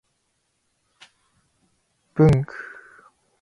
文具